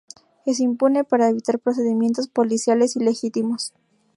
Es impune para evitar procedimientos policiales ilegítimos.